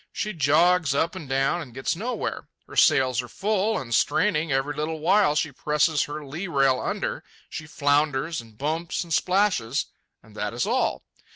She jogs up and down and gets nowhere. Her sails are full and straining, every little while she presses her lee rail under, she flounders, and bumps, and splashes, and that is all.